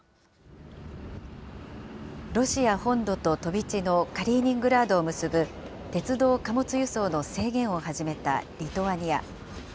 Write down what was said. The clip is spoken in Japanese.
ロシア本土と飛び地のカリーニングラードを結ぶ鉄道貨物輸送の制限を始めたリトアニア。